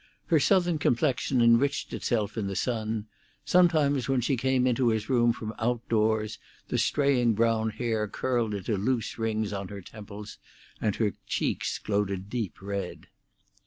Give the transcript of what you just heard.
Her southern complexion enriched itself in the sun; sometimes when she came into his room from outdoors the straying brown hair curled into loose rings on her temples, and her cheeks glowed a deep red.